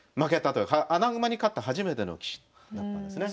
穴熊に勝った初めての棋士だったんですね。